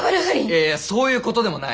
いやいやそういうことでもない。